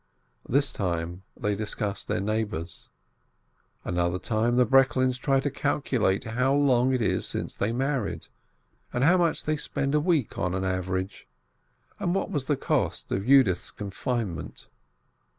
One time they discuss their neighbors; another time the Breklins try to calculate how long it is since they married, how much they spend a week on an average, and what was the cost of Yudith's confinement.